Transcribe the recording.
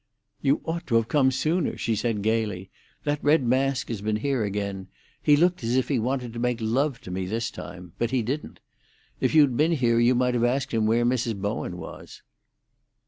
"You ought to have come sooner," she said gaily. "That red mask has been here again. He looked as if he wanted to make love to me this time. But he didn't. If you'd been here you might have asked him where Mrs. Bowen was."